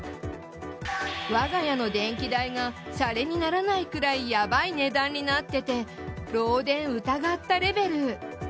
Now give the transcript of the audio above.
我が家の電気代がしゃれにならないくらいやばい値段になってて漏電疑ったレベル。